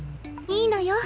いいのよ。